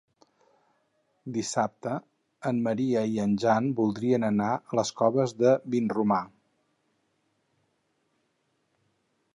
Dissabte en Maria i en Jan voldrien anar a les Coves de Vinromà.